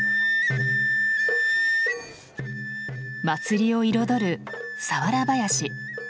祭りを彩る佐原囃子。